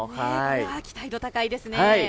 期待が高いですね。